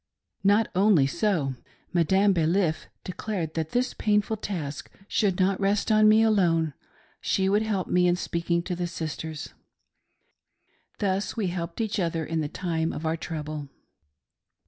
Not only so — Madame Baliff declared that this painful task should not rest on me alone ; she would help me in speaking to the sisters. Thus we helped each other in the time of our trouble.